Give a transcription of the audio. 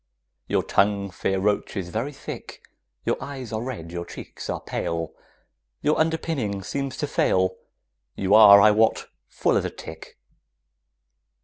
Your tongue, fair roach, is very thick, Your eyes are red, your cheeks are pale, Your underpinning seems to fail, You are, I wot, full as a tick.